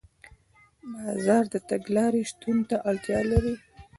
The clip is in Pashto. بازار د تګلارې شتون ته اړتیا لري.